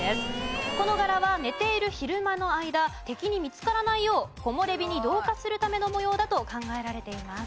この柄は寝ている昼間の間敵に見つからないよう木漏れ日に同化するための模様だと考えられています。